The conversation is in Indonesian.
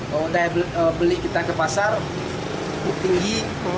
kalau beli kita ke pasar tinggi